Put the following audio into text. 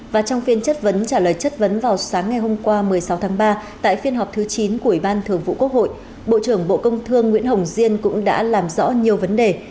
và trong phiên chất vấn trả lời chất vấn vào sáng ngày hôm qua một mươi sáu tháng ba tại phiên họp thứ chín của ủy ban thường vụ quốc hội bộ trưởng bộ công thương nguyễn hồng diên cũng đã làm rõ nhiều vấn đề